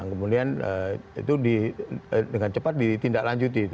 kemudian itu dengan cepat ditindaklanjuti